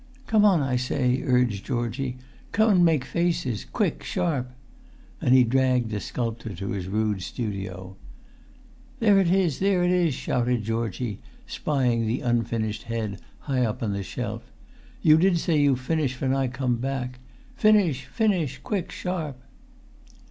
"Come on, I say," urged Georgie; "come an' make faces, quick, sharp!" And he dragged the sculptor to his rude studio. "There it is, there it is," shouted Georgie, spying the unfinished head high up on the shelf. "You did say you finish fen I come back. Finish—finish—quick, sharp!"